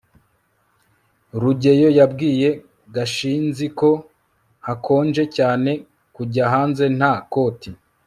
rugeyo yabwiye gashinzi ko hakonje cyane kujya hanze nta koti